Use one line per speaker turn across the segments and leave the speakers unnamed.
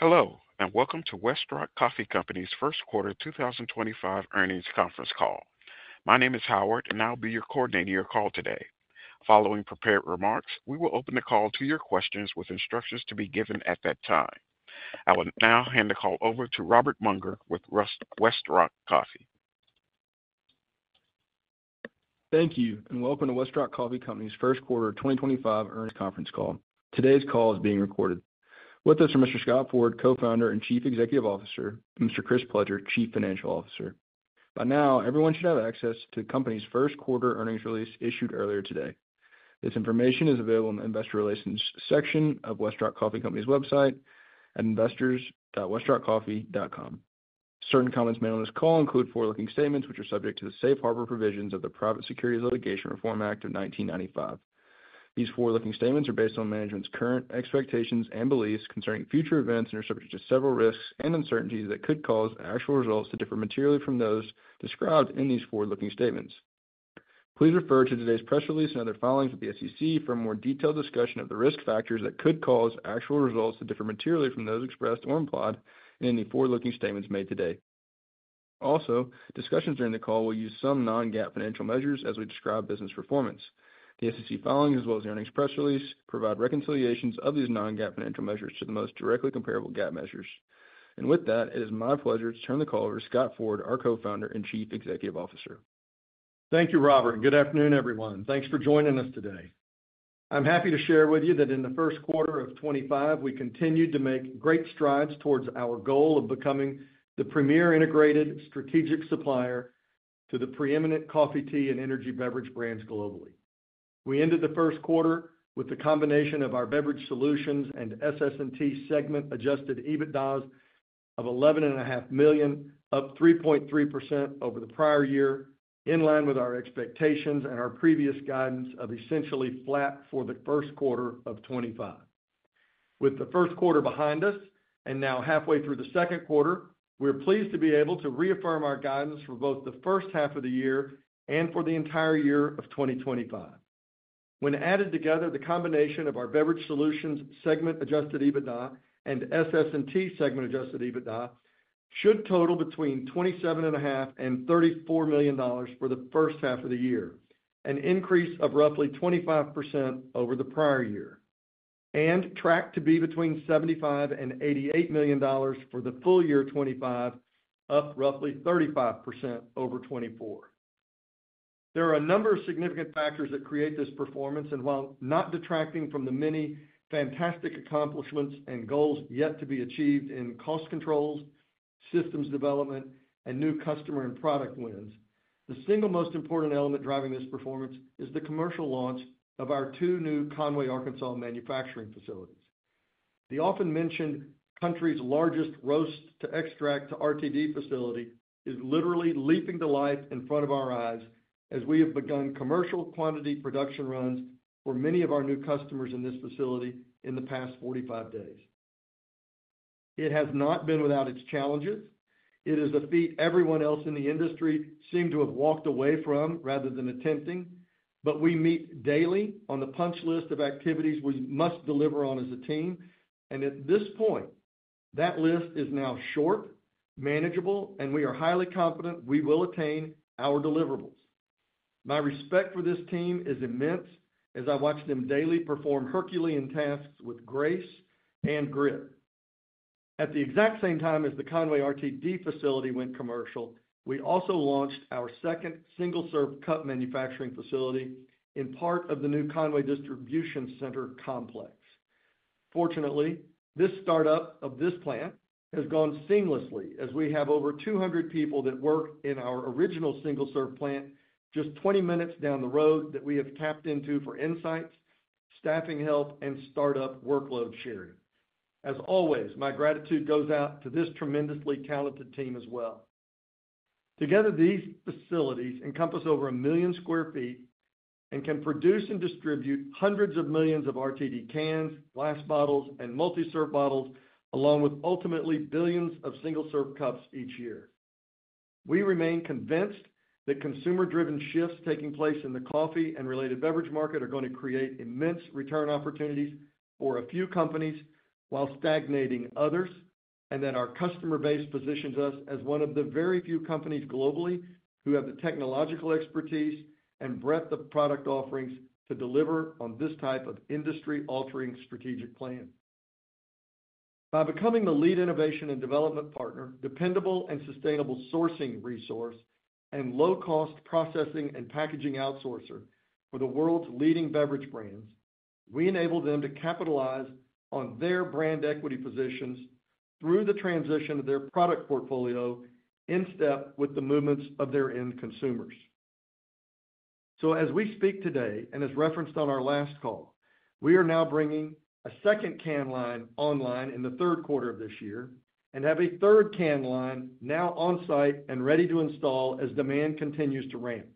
Hello, and welcome to Westrock Coffee Company's First Quarter 2025 Earnings Conference Call. My name is Howard, and I'll be your coordinator of your call today. Following prepared remarks, we will open the call to your questions with instructions to be given at that time. I will now hand the call over to Robert Mounger with Westrock Coffee Company.
Thank you, and welcome to Westrock Coffee Company's First Quarter 2025 Earnings Conference Call. Today's call is being recorded. With us are Mr. Scott Ford, Co-founder and Chief Executive Officer, and Mr. Chris Pledger, Chief Financial Officer. By now, everyone should have access to the company's first quarter earnings release issued earlier today. This information is available in the investor relations section of Westrock Coffee Company's website at investors.westrockcoffee.com. Certain comments made on this call include forward-looking statements which are subject to the safe harbor provisions of the Private Securities Litigation Reform Act of 1995. These forward-looking statements are based on management's current expectations and beliefs concerning future events and are subject to several risks and uncertainties that could cause actual results to differ materially from those described in these forward-looking statements. Please refer to today's press release and other filings with the SEC for a more detailed discussion of the risk factors that could cause actual results to differ materially from those expressed or implied in any forward-looking statements made today. Also, discussions during the call will use some non-GAAP financial measures as we describe business performance. The SEC filings, as well as the earnings press release, provide reconciliations of these non-GAAP financial measures to the most directly comparable GAAP measures. With that, it is my pleasure to turn the call over to Scott Ford, our Co-founder and Chief Executive Officer.
Thank you, Robert. Good afternoon, everyone. Thanks for joining us today. I'm happy to share with you that in the first quarter of 2025, we continued to make great strides towards our goal of becoming the premier integrated strategic supplier to the preeminent coffee, tea, and energy beverage brands globally. We ended the first quarter with the combination of our beverage solutions and SS&T segment-adjusted EBITDAs of $11.5 million, up 3.3% over the prior year, in line with our expectations and our previous guidance of essentially flat for the first quarter of 2025. With the first quarter behind us and now halfway through the second quarter, we're pleased to be able to reaffirm our guidance for both the first half of the year and for the entire year of 2025. When added together, the combination of our beverage solutions segment-adjusted EBITDA and SS&T segment-adjusted EBITDA should total between $27.5 million and $34 million for the first half of the year, an increase of roughly 25% over the prior year, and track to be between $75 million and $88 million for the full year of 2025, up roughly 35% over 2024. There are a number of significant factors that create this performance, and while not detracting from the many fantastic accomplishments and goals yet to be achieved in cost controls, systems development, and new customer and product wins, the single most important element driving this performance is the commercial launch of our two new Conway, Arkansas, manufacturing facilities. The often-mentioned country's largest roast-to-extract to RTD facility is literally leaping to life in front of our eyes as we have begun commercial quantity production runs for many of our new customers in this facility in the past 45 days. It has not been without its challenges. It is a feat everyone else in the industry seemed to have walked away from rather than attempting, but we meet daily on the punch list of activities we must deliver on as a team. At this point, that list is now short, manageable, and we are highly confident we will attain our deliverables. My respect for this team is immense as I watch them daily perform Herculean tasks with grace and grit. At the exact same time as the Conway RTD facility went commercial, we also launched our second single-serve cup manufacturing facility in part of the new Conway Distribution Center complex. Fortunately, this startup of this plant has gone seamlessly as we have over 200 people that work in our original single-serve plant just 20 minutes down the road that we have tapped into for insights, staffing help, and startup workload sharing. As always, my gratitude goes out to this tremendously talented team as well. Together, these facilities encompass over millions sq ft and can produce and distribute hundreds of millions of RTD cans, glass bottles, and multi-serve bottles, along with ultimately billions of single-serve cups each year. We remain convinced that consumer-driven shifts taking place in the coffee and related beverage market are going to create immense return opportunities for a few companies while stagnating others, and that our customer base positions us as one of the very few companies globally who have the technological expertise and breadth of product offerings to deliver on this type of industry-altering strategic plan. By becoming the lead innovation and development partner, dependable and sustainable sourcing resource, and low-cost processing and packaging outsourcer for the world's leading beverage brands, we enable them to capitalize on their brand equity positions through the transition of their product portfolio in step with the movements of their end consumers. As we speak today and as referenced on our last call, we are now bringing a second can line online in the third quarter of this year and have a third can line now on site and ready to install as demand continues to ramp.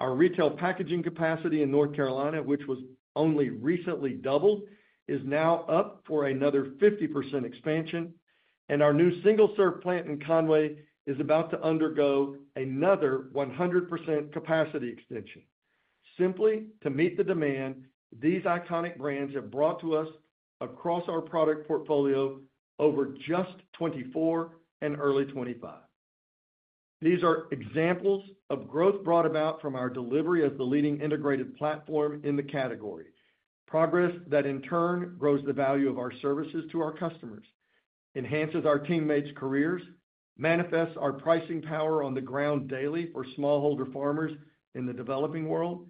Our retail packaging capacity in North Carolina, which was only recently doubled, is now up for another 50% expansion, and our new single-serve plant in Conway is about to undergo another 100% capacity extension. Simply to meet the demand, these iconic brands have brought to us across our product portfolio over just 2024 and early 2025. These are examples of growth brought about from our delivery as the leading integrated platform in the category, progress that in turn grows the value of our services to our customers, enhances our teammates' careers, manifests our pricing power on the ground daily for smallholder farmers in the developing world,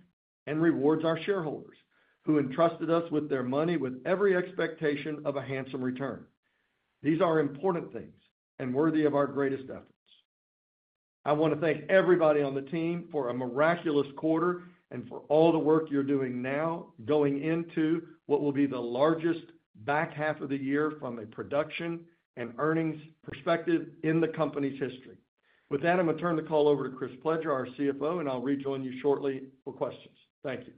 and rewards our shareholders who entrusted us with their money with every expectation of a handsome return. These are important things and worthy of our greatest efforts. I want to thank everybody on the team for a miraculous quarter and for all the work you're doing now going into what will be the largest back half of the year from a production and earnings perspective in the company's history. With that, I'm going to turn the call over to Chris Pledger, our CFO, and I'll rejoin you shortly for questions. Thank you.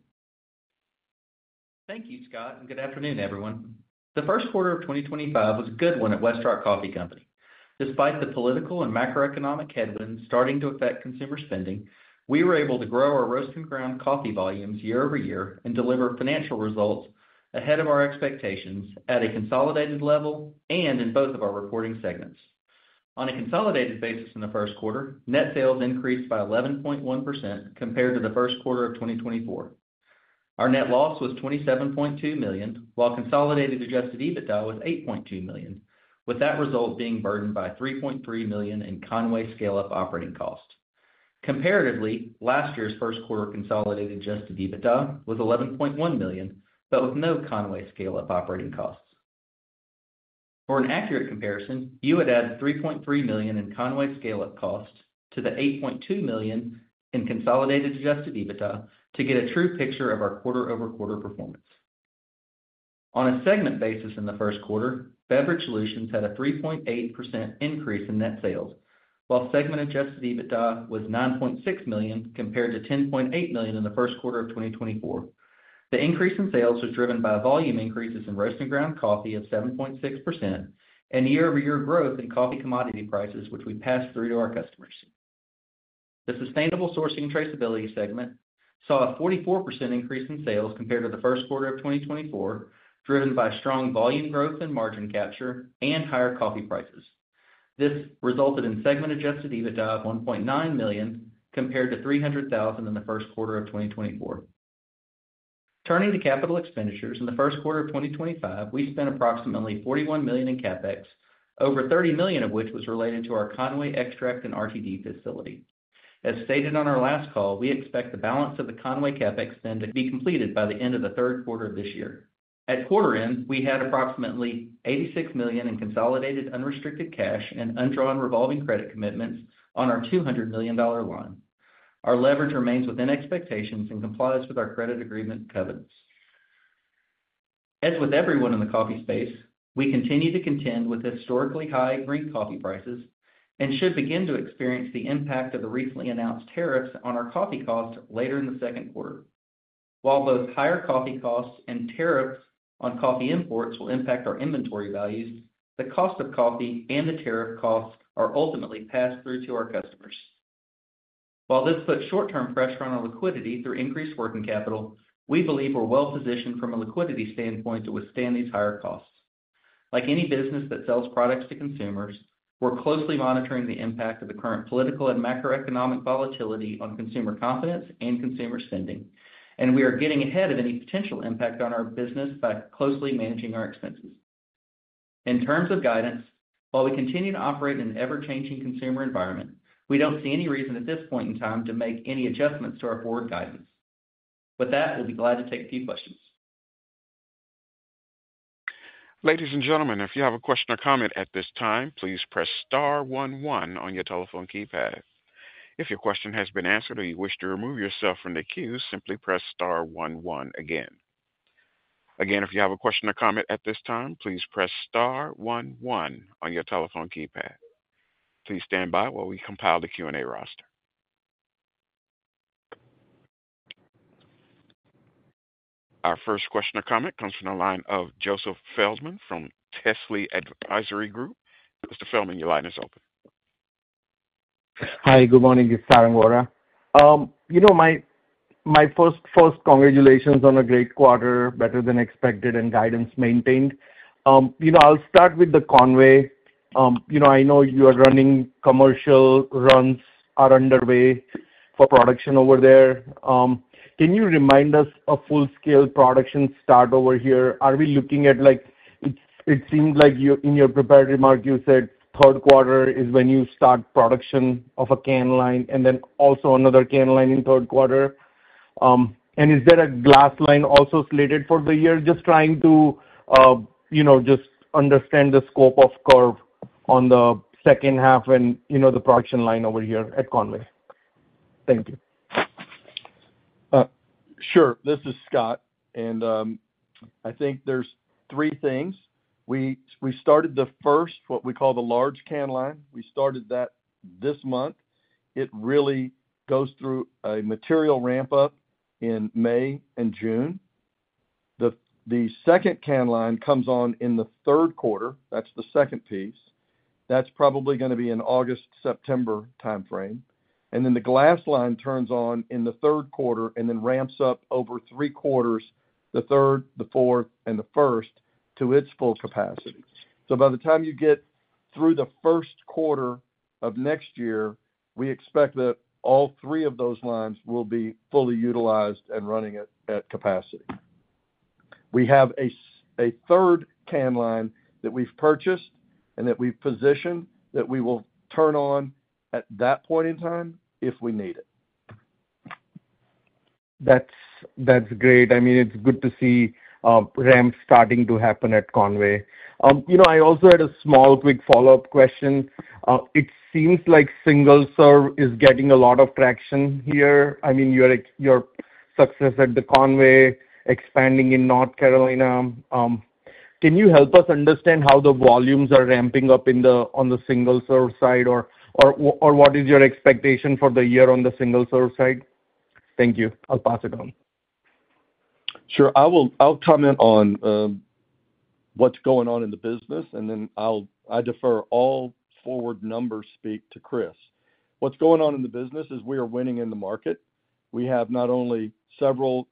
Thank you, Scott, and good afternoon, everyone. The first quarter of 2025 was a good one at Westrock Coffee Company. Despite the political and macroeconomic headwinds starting to affect consumer spending, we were able to grow our roast-and-ground coffee volumes year-over-year and deliver financial results ahead of our expectations at a consolidated level and in both of our reporting segments. On a consolidated basis in the first quarter, net sales increased by 11.1% compared to the first quarter of 2024. Our net loss was $27.2 million, while consolidated adjusted EBITDA was $8.2 million, with that result being burdened by $3.3 million in Conway scale-up operating cost. Comparatively, last year's first quarter consolidated adjusted EBITDA was $11.1 million, but with no Conway scale-up operating costs. For an accurate comparison, you would add $3.3 million in Conway scale-up cost to the $8.2 million in consolidated adjusted EBITDA to get a true picture of our quarter-over-quarter performance. On a segment basis in the first quarter, beverage solutions had a 3.8% increase in net sales, while segment-adjusted EBITDA was $9.6 million compared to $10.8 million in the first quarter of 2024. The increase in sales was driven by volume increases in roast-and-ground coffee of 7.6% and year-over-year growth in coffee commodity prices, which we passed through to our customers. The sustainable sourcing traceability segment saw a 44% increase in sales compared to the first quarter of 2024, driven by strong volume growth in margin capture and higher coffee prices. This resulted in segment-adjusted EBITDA of $1.9 million compared to $300,000 in the first quarter of 2024. Turning to capital expenditures, in the first quarter of 2025, we spent approximately $41 million in CapEx, over $30 million of which was related to our Conway extract and RTD facility. As stated on our last call, we expect the balance of the Conway CapEx spend to be completed by the end of the third quarter of this year. At quarter end, we had approximately $86 million in consolidated unrestricted cash and undrawn revolving credit commitments on our $200 million line. Our leverage remains within expectations and complies with our credit agreement covenants. As with everyone in the coffee space, we continue to contend with historically high green coffee prices and should begin to experience the impact of the recently announced tariffs on our coffee cost later in the second quarter. While both higher coffee costs and tariffs on coffee imports will impact our inventory values, the cost of coffee and the tariff costs are ultimately passed through to our customers. While this puts short-term pressure on our liquidity through increased working capital, we believe we're well-positioned from a liquidity standpoint to withstand these higher costs. Like any business that sells products to consumers, we're closely monitoring the impact of the current political and macroeconomic volatility on consumer confidence and consumer spending, and we are getting ahead of any potential impact on our business by closely managing our expenses. In terms of guidance, while we continue to operate in an ever-changing consumer environment, we don't see any reason at this point in time to make any adjustments to our forward guidance. With that, we'll be glad to take a few questions.
Ladies and gentlemen, if you have a question or comment at this time, please press star one one on your telephone keypad. If your question has been answered or you wish to remove yourself from the queue, simply press star one one again. Again, if you have a question or comment at this time, please press star one one on your telephone keypad. Please stand by while we compile the Q&A roster. Our first question or comment comes from the line of Joseph Feldman from Telsey Advisory Group. Mr. Feldman, your line is open.
Hi, good morning. This is Sarang Vora. You know, my first congratulations on a great quarter, better than expected, and guidance maintained. You know, I'll start with the Conway. You know, I know you are running commercial runs are underway for production over there. Can you remind us of full-scale production start over here? Are we looking at, like, it seemed like in your preparatory mark, you said third quarter is when you start production of a can line and then also another can line in third quarter? And is there a glass line also slated for the year? Just trying to, you know, just understand the scope of curve on the second half and, you know, the production line over here at Conway. Thank you.
Sure. This is Scott, and I think there's three things. We started the first, what we call the large can line. We started that this month. It really goes through a material ramp-up in May and June. The second can line comes on in the third quarter. That's the second piece. That's probably going to be an August, September timeframe. The glass line turns on in the third quarter and then ramps up over three quarters, the third, the fourth, and the first to its full capacity. By the time you get through the first quarter of next year, we expect that all three of those lines will be fully utilized and running at capacity. We have a third can line that we've purchased and that we've positioned that we will turn on at that point in time if we need it.
That's great. I mean, it's good to see ramp starting to happen at Conway. You know, I also had a small quick follow-up question. It seems like single-serve is getting a lot of traction here. I mean, your success at the Conway expanding in North Carolina. Can you help us understand how the volumes are ramping up on the single-serve side, or what is your expectation for the year on the single-serve side? Thank you. I'll pass it on.
Sure. I'll comment on what's going on in the business, and then I'll defer all forward numbers speak to Chris. What's going on in the business is we are winning in the market. We have not only several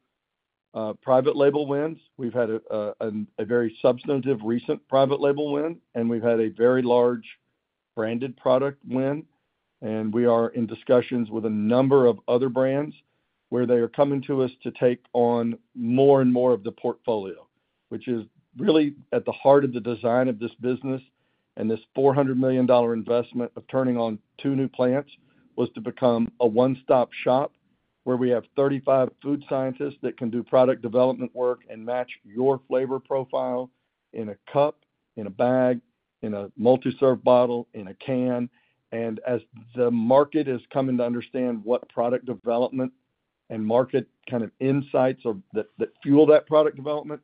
private label wins. We've had a very substantive recent private label win, and we've had a very large branded product win. We are in discussions with a number of other brands where they are coming to us to take on more and more of the portfolio, which is really at the heart of the design of this business and this $400 million investment of turning on two new plants was to become a one-stop shop where we have 35 food scientists that can do product development work and match your flavor profile in a cup, in a bag, in a multi-serve bottle, in a can. As the market is coming to understand what product development and market kind of insights that fuel that product development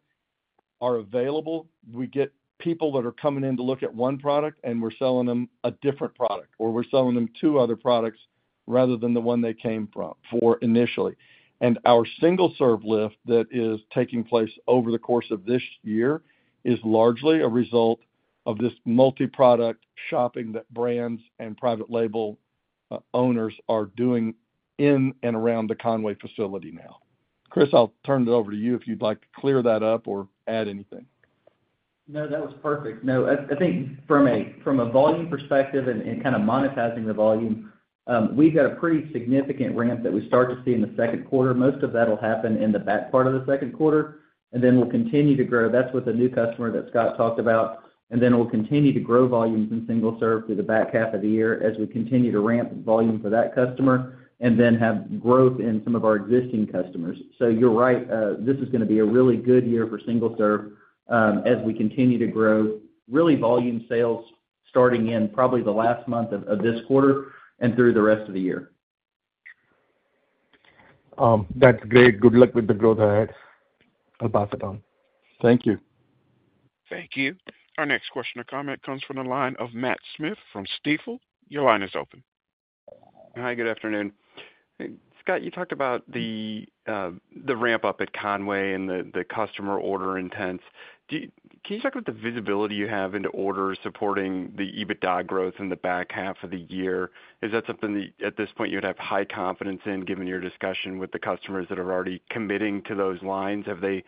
are available, we get people that are coming in to look at one product, and we're selling them a different product, or we're selling them two other products rather than the one they came from initially. Our single serve lift that is taking place over the course of this year is largely a result of this multi-product shopping that brands and private label owners are doing in and around the Conway facility now. Chris, I'll turn it over to you if you'd like to clear that up or add anything.
No, that was perfect. No, I think from a volume perspective and kind of monetizing the volume, we've got a pretty significant ramp that we start to see in the second quarter. Most of that will happen in the back part of the second quarter, and then we'll continue to grow. That is with the new customer that Scott talked about. We will continue to grow volumes in single serve through the back half of the year as we continue to ramp volume for that customer and then have growth in some of our existing customers. You are right. This is going to be a really good year for single serve as we continue to grow, really volume sales starting in probably the last month of this quarter and through the rest of the year.
That's great. Good luck with the growth ahead. I'll pass it on.
Thank you.
Thank you. Our next question or comment comes from the line of Matt Smith from Stifel. Your line is open.
Hi, good afternoon. Scott, you talked about the ramp-up at Conway and the customer order intents. Can you talk about the visibility you have into orders supporting the EBITDA growth in the back half of the year? Is that something that at this point you would have high confidence in given your discussion with the customers that are already committing to those lines? Have they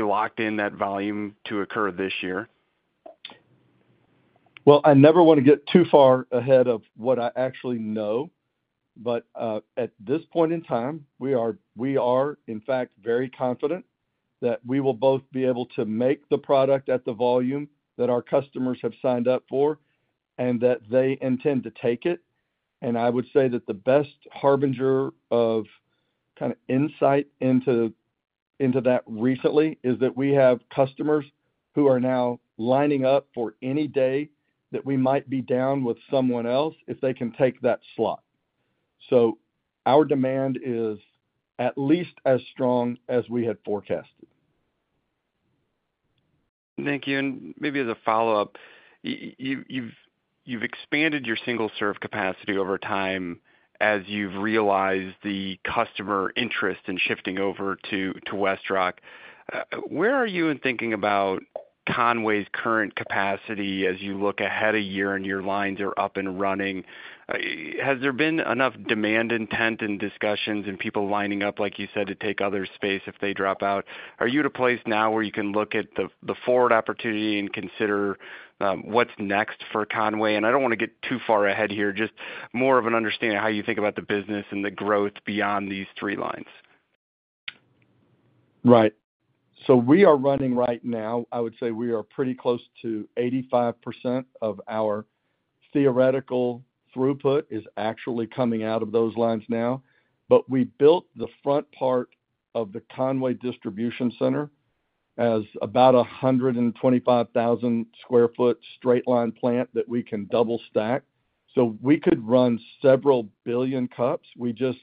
locked in that volume to occur this year?
I never want to get too far ahead of what I actually know, but at this point in time, we are, in fact, very confident that we will both be able to make the product at the volume that our customers have signed up for and that they intend to take it. I would say that the best harbinger of kind of insight into that recently is that we have customers who are now lining up for any day that we might be down with someone else if they can take that slot. Our demand is at least as strong as we had forecasted.
Thank you. Maybe as a follow-up, you've expanded your single-serve capacity over time as you've realized the customer interest in shifting over to Westrock. Where are you in thinking about Conway's current capacity as you look ahead a year and your lines are up and running? Has there been enough demand intent and discussions and people lining up, like you said, to take other space if they drop out? Are you at a place now where you can look at the forward opportunity and consider what's next for Conway? I don't want to get too far ahead here, just more of an understanding of how you think about the business and the growth beyond these three lines.
Right. We are running right now, I would say we are pretty close to 85% of our theoretical throughput is actually coming out of those lines now. We built the front part of the Conway Distribution Center as about 125,000 sq ft straight line plant that we can double stack. We could run several billion cups. We just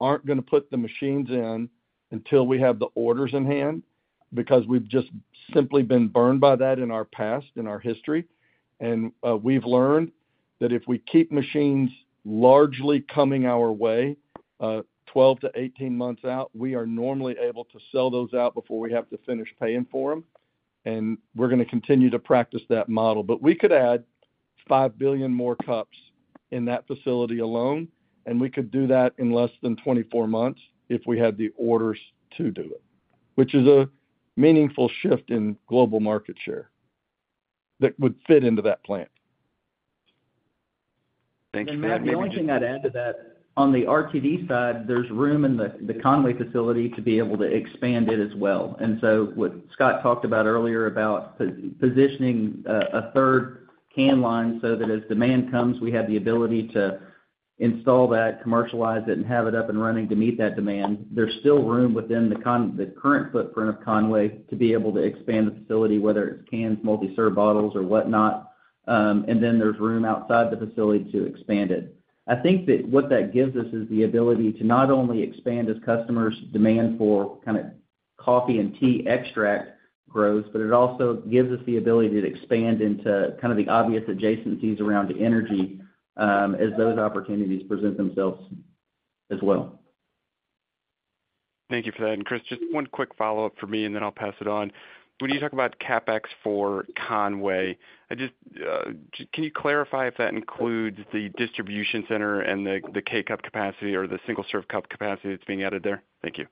are not going to put the machines in until we have the orders in hand because we have just simply been burned by that in our past, in our history. We have learned that if we keep machines largely coming our way 12-18 months out, we are normally able to sell those out before we have to finish paying for them. We are going to continue to practice that model. We could add 5 billion more cups in that facility alone, and we could do that in less than 24 months if we had the orders to do it, which is a meaningful shift in global market share that would fit into that plant.
Thanks,
Matt. Maybe one thing I'd add to that, on the RTD side, there's room in the Conway facility to be able to expand it as well. What Scott talked about earlier about positioning a third can line so that as demand comes, we have the ability to install that, commercialize it, and have it up and running to meet that demand. There's still room within the current footprint of Conway to be able to expand the facility, whether it's cans, multi-serve bottles, or whatnot. There's room outside the facility to expand it. I think that what that gives us is the ability to not only expand as customers' demand for kind of coffee and tea extract grows, but it also gives us the ability to expand into kind of the obvious adjacencies around energy as those opportunities present themselves as well.
Thank you for that. Chris, just one quick follow-up for me, and then I'll pass it on. When you talk about CapEx for Conway, can you clarify if that includes the distribution center and the K-Cup capacity or the single-serve cup capacity that's being added there? Thank you.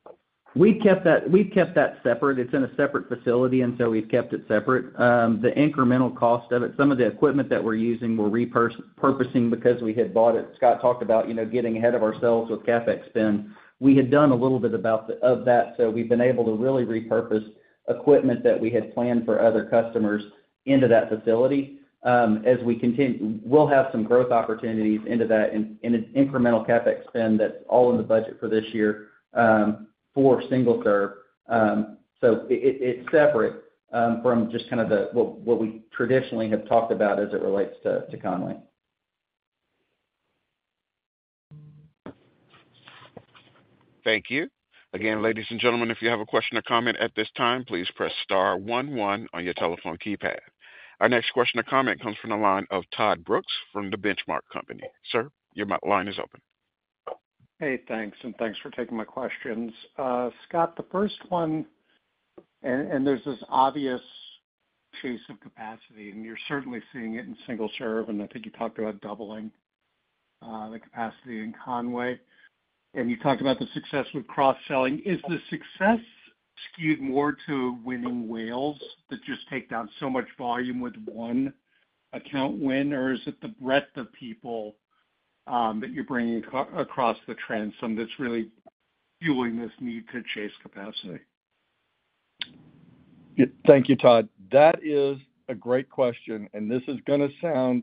We've kept that separate. It's in a separate facility, and we've kept it separate. The incremental cost of it, some of the equipment that we're using, we're repurposing because we had bought it. Scott talked about getting ahead of ourselves with CapEx spend. We had done a little bit of that, so we've been able to really repurpose equipment that we had planned for other customers into that facility. As we continue, we'll have some growth opportunities into that and an incremental CapEx spend that's all in the budget for this year for single serve. It's separate from just kind of what we traditionally have talked about as it relates to Conway.
Thank you. Again, ladies and gentlemen, if you have a question or comment at this time, please press star 11 on your telephone keypad. Our next question or comment comes from the line of Todd Brooks from The Benchmark Company. Sir, your line is open.
Hey, thanks. Thanks for taking my questions. Scott, the first one, there's this obvious chase of capacity, and you're certainly seeing it in single serve. I think you talked about doubling the capacity in Conway. You talked about the success with cross-selling. Is the success skewed more to winning whales that just take down so much volume with one account win, or is it the breadth of people that you're bringing across the transom that's really fueling this need to chase capacity?
Thank you, Todd. That is a great question. This is going to sound,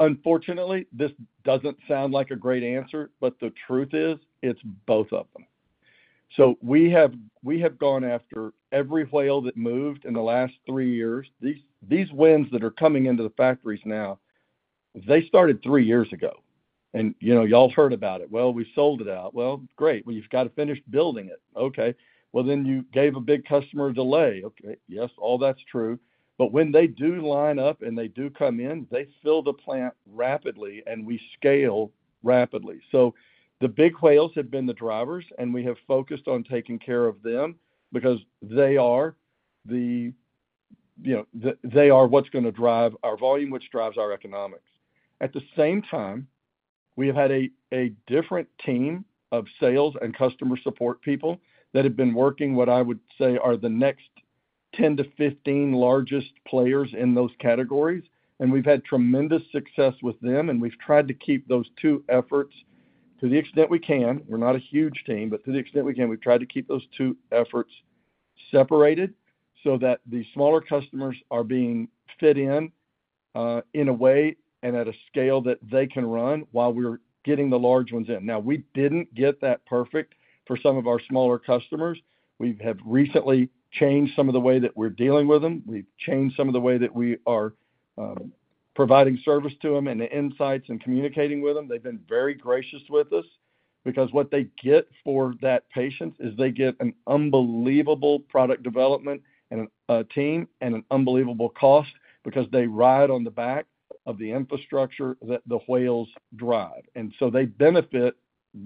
unfortunately, this does not sound like a great answer, but the truth is it is both of them. We have gone after every whale that moved in the last three years. These wins that are coming into the factories now, they started three years ago. You all heard about it. We sold it out. Great. You have got to finish building it. Okay. You gave a big customer a delay. Okay. Yes, all that is true. When they do line up and they do come in, they fill the plant rapidly, and we scale rapidly. The big whales have been the drivers, and we have focused on taking care of them because they are what is going to drive our volume, which drives our economics. At the same time, we have had a different team of sales and customer support people that have been working what I would say are the next 10-15 largest players in those categories. We have had tremendous success with them, and we have tried to keep those two efforts to the extent we can. We are not a huge team, but to the extent we can, we have tried to keep those two efforts separated so that the smaller customers are being fit in in a way and at a scale that they can run while we are getting the large ones in. Now, we did not get that perfect for some of our smaller customers. We have recently changed some of the way that we are dealing with them. We have changed some of the way that we are providing service to them and the insights and communicating with them. They've been very gracious with us because what they get for that patience is they get an unbelievable product development and a team and an unbelievable cost because they ride on the back of the infrastructure that the whales drive. They benefit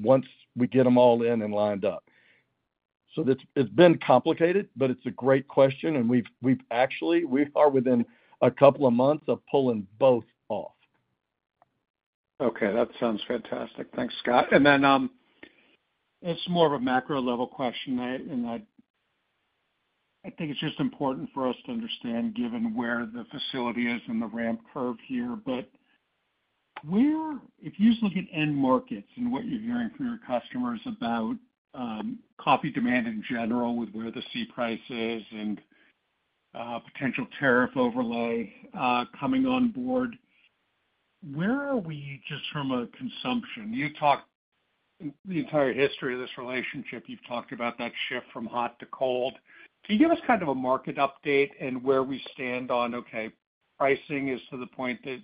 once we get them all in and lined up. It's been complicated, but it's a great question. We've actually, we are within a couple of months of pulling both off.
Okay. That sounds fantastic. Thanks, Scott. It is more of a macro level question, and I think it's just important for us to understand given where the facility is and the ramp curve here. If you just look at end markets and what you're hearing from your customers about coffee demand in general with where the sea price is and potential tariff overlay coming on board, where are we just from a consumption? The entire history of this relationship, you've talked about that shift from hot to cold. Can you give us kind of a market update and where we stand on, okay, pricing is to the point that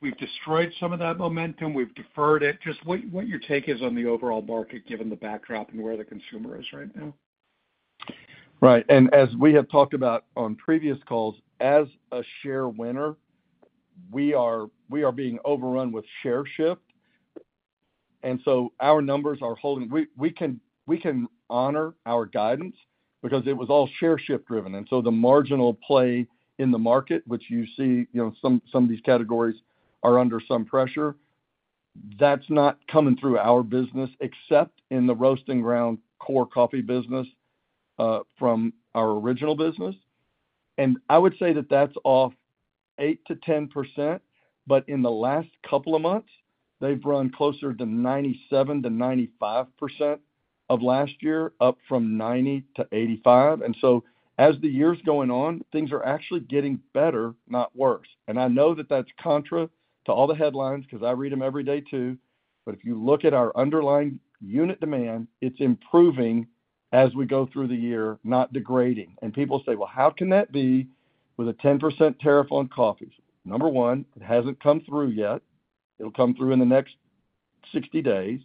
we've destroyed some of that momentum, we've deferred it? Just what your take is on the overall market given the backdrop and where the consumer is right now.
Right. As we have talked about on previous calls, as a share winner, we are being overrun with share shift. Our numbers are holding. We can honor our guidance because it was all share shift driven. The marginal play in the market, which you see, some of these categories are under some pressure, that is not coming through our business except in the roasting ground core coffee business from our original business. I would say that is off 8%-10%, but in the last couple of months, they have run closer to 97%-95% of last year, up from 90%-85%. As the year is going on, things are actually getting better, not worse. I know that is contra to all the headlines because I read them every day too. If you look at our underlying unit demand, it's improving as we go through the year, not degrading. People say, "How can that be with a 10% tariff on coffee?" Number one, it hasn't come through yet. It'll come through in the next 60 days.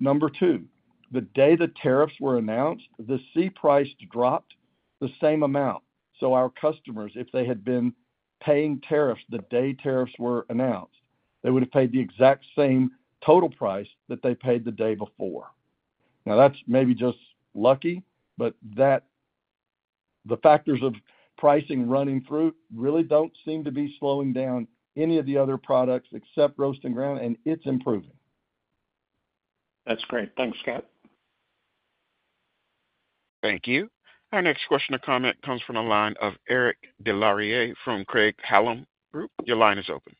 Number two, the day the tariffs were announced, the sea price dropped the same amount. Our customers, if they had been paying tariffs the day tariffs were announced, would have paid the exact same total price that they paid the day before. That's maybe just lucky, but the factors of pricing running through really don't seem to be slowing down any of the other products except roast and ground, and it's improving.
That's great. Thanks, Scott.
Thank you. Our next question or comment comes from the line of Eric Des Lauriers from Craig-Hallum Group. Your line is open.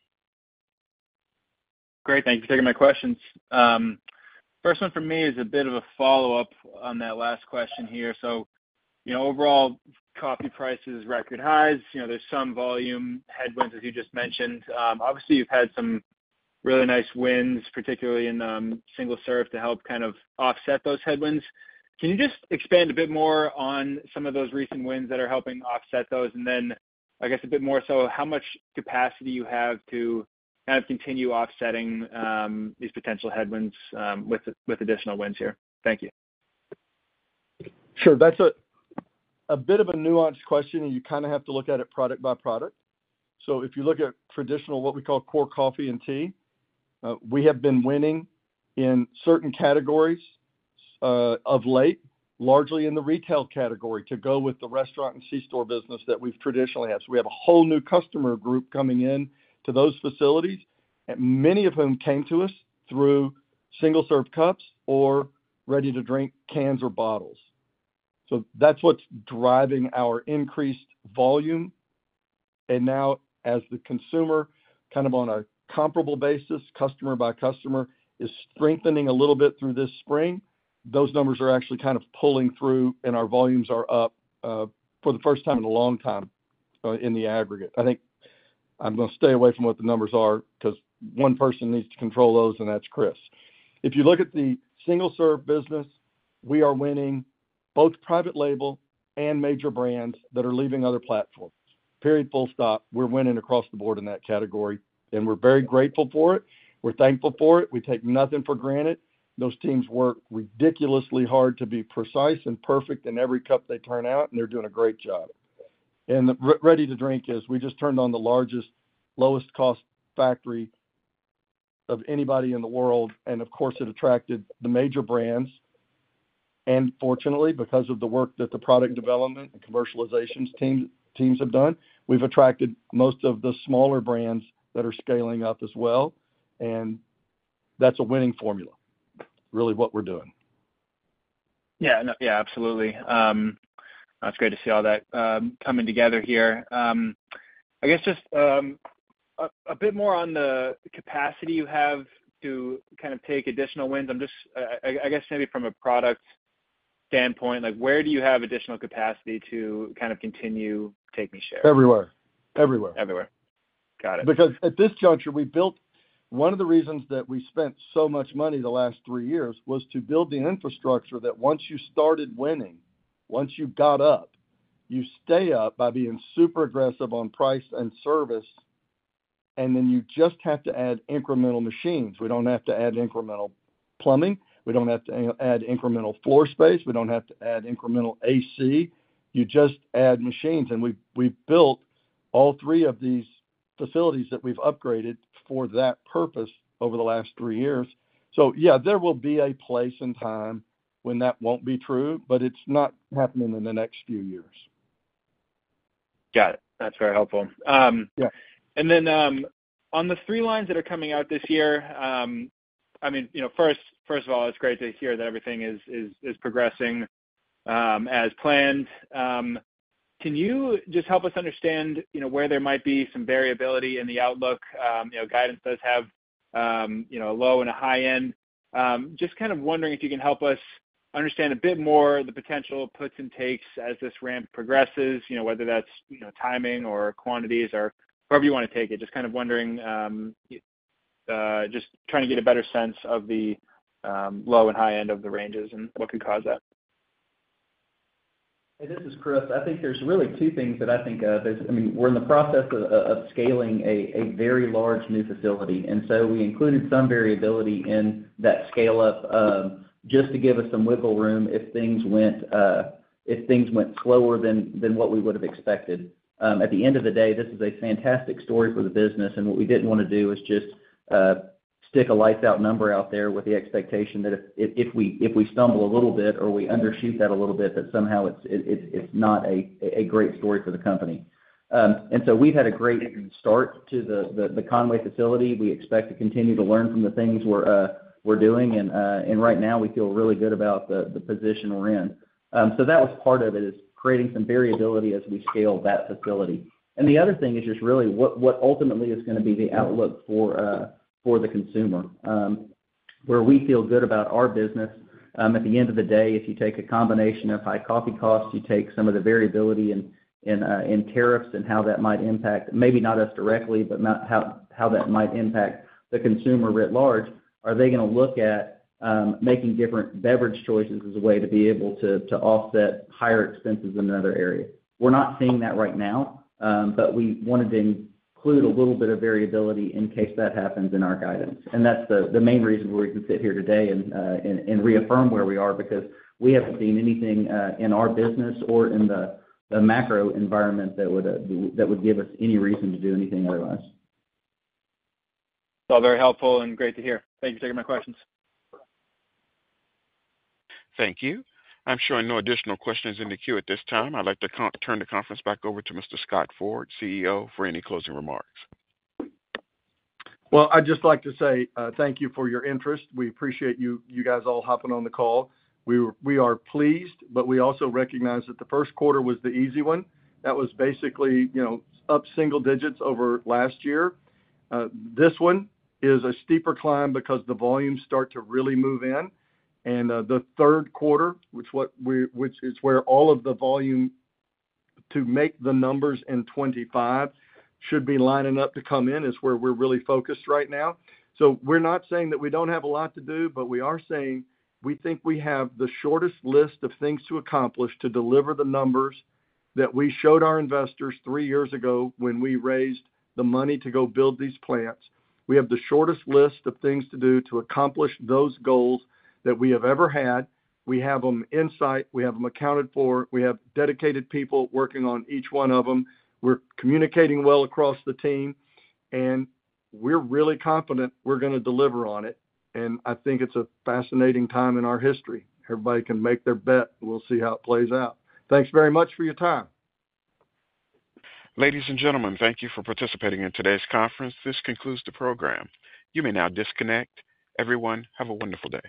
Great. Thank you for taking my questions. First one for me is a bit of a follow-up on that last question here. Overall, coffee price is record highs. There are some volume headwinds, as you just mentioned. Obviously, you've had some really nice wins, particularly in single-serve, to help kind of offset those headwinds. Can you just expand a bit more on some of those recent wins that are helping offset those? And then I guess a bit more so how much capacity you have to kind of continue offsetting these potential headwinds with additional wins here? Thank you.
Sure. That is a bit of a nuanced question, and you kind of have to look at it product by product. If you look at traditional, what we call core coffee and tea, we have been winning in certain categories of late, largely in the retail category to go with the restaurant and c-store business that we have traditionally had. We have a whole new customer group coming into those facilities, many of whom came to us through single-serve cups or ready-to-drink cans or bottles. That is what is driving our increased volume. Now, as the consumer, kind of on a comparable basis, customer by customer is strengthening a little bit through this spring. Those numbers are actually kind of pulling through, and our volumes are up for the first time in a long time in the aggregate. I think I'm going to stay away from what the numbers are because one person needs to control those, and that's Chris. If you look at the single-serve business, we are winning both private label and major brands that are leaving other platforms. Period. Full stop. We're winning across the board in that category, and we're very grateful for it. We're thankful for it. We take nothing for granted. Those teams work ridiculously hard to be precise and perfect in every cup they turn out, and they're doing a great job. Ready to drink is we just turned on the largest, lowest-cost factory of anybody in the world. Of course, it attracted the major brands. Fortunately, because of the work that the product development and commercialization teams have done, we've attracted most of the smaller brands that are scaling up as well. That's a winning formula, really what we're doing.
Yeah. Yeah. Absolutely. It's great to see all that coming together here. I guess just a bit more on the capacity you have to kind of take additional wins. I guess maybe from a product standpoint, where do you have additional capacity to kind of continue taking share?
Everywhere. Everywhere.
Everywhere. Got it.
Because at this juncture, we built one of the reasons that we spent so much money the last three years was to build the infrastructure that once you started winning, once you got up, you stay up by being super aggressive on price and service, and then you just have to add incremental machines. We do not have to add incremental plumbing. We do not have to add incremental floor space. We do not have to add incremental AC. You just add machines. We have built all three of these facilities that we have upgraded for that purpose over the last three years. Yeah, there will be a place and time when that will not be true, but it is not happening in the next few years.
Got it. That's very helpful. I mean, on the three lines that are coming out this year, first of all, it's great to hear that everything is progressing as planned. Can you just help us understand where there might be some variability in the outlook? Guidance does have a low and a high end. Just kind of wondering if you can help us understand a bit more the potential puts and takes as this ramp progresses, whether that's timing or quantities or however you want to take it. Just kind of wondering, just trying to get a better sense of the low and high end of the ranges and what could cause that.
Hey, this is Chris. I think there's really two things that I think of. I mean, we're in the process of scaling a very large new facility. We included some variability in that scale-up just to give us some wiggle room if things went slower than what we would have expected. At the end of the day, this is a fantastic story for the business. What we did not want to do is just stick a lights-out number out there with the expectation that if we stumble a little bit or we undershoot that a little bit, that somehow it's not a great story for the company. We have had a great start to the Conway facility. We expect to continue to learn from the things we're doing. Right now, we feel really good about the position we're in. That was part of it, is creating some variability as we scale that facility. The other thing is just really what ultimately is going to be the outlook for the consumer, where we feel good about our business. At the end of the day, if you take a combination of high coffee costs, you take some of the variability in tariffs and how that might impact, maybe not us directly, but how that might impact the consumer writ large, are they going to look at making different beverage choices as a way to be able to offset higher expenses in another area? We're not seeing that right now, but we wanted to include a little bit of variability in case that happens in our guidance. That's the main reason we're even sitting here today and reaffirm where we are because we haven't seen anything in our business or in the macro environment that would give us any reason to do anything otherwise.
That's all very helpful and great to hear. Thank you for taking my questions.
Thank you. I'm showing no additional questions in the queue at this time. I'd like to turn the conference back over to Mr. Scott Ford, CEO, for any closing remarks.
Thank you for your interest. We appreciate you guys all hopping on the call. We are pleased, but we also recognize that the first quarter was the easy one. That was basically up single digits over last year. This one is a steeper climb because the volumes start to really move in. The third quarter, which is where all of the volume to make the numbers in 2025 should be lining up to come in, is where we're really focused right now. We are not saying that we do not have a lot to do, but we are saying we think we have the shortest list of things to accomplish to deliver the numbers that we showed our investors three years ago when we raised the money to go build these plants. We have the shortest list of things to do to accomplish those goals that we have ever had. We have them in sight. We have them accounted for. We have dedicated people working on each one of them. We are communicating well across the team. We are really confident we are going to deliver on it. I think it is a fascinating time in our history. Everybody can make their bet. We will see how it plays out. Thanks very much for your time.
Ladies and gentlemen, thank you for participating in today's conference. This concludes the program. You may now disconnect. Everyone, have a wonderful day.